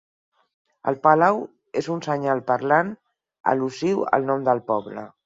El palau és un senyal parlant al·lusiu al nom del poble.